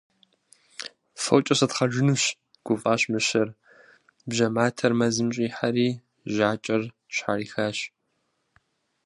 - Фокӏэ сытхъэжынущ! - гуфӏащ мыщэр, бжьэматэр мэзым щӏихьэри, жьажьэр щхьэрихащ.